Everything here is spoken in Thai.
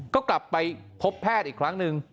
ก็กลับไปพบแพทย์อีกครั้งหนึ่ง